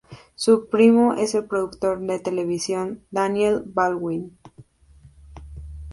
Su primo es el productor de televisión Daniel Baldwin.